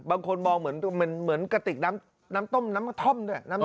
บางคนมองเหมือนกระติกน้ำท่อม